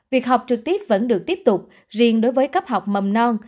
việc học trực tiếp vẫn được tiếp tục riêng đối với cấp học mầm non